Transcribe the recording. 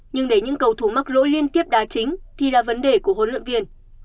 nhưng để những cầu thủ mắc lỗi liên tiếp đá chính thì là vấn đề của hồ lâm viên